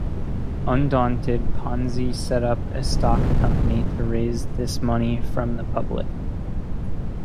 Undaunted, Ponzi set up a stock company to raise this money from the public.